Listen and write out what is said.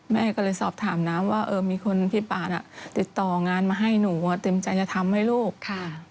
แม่ก็เลยสอบถามนะว่าเออมีคนพี่ป่าน่ะติดต่องานมาให้หนูอ่ะเต็มใจจะทำให้ลูกค่ะ